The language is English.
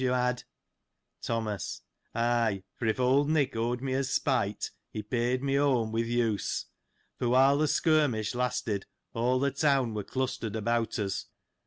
— Ay, for, if old Nick owed me a spite, he paid me home with use : for while the skirmish lasted all the town were clustered about us.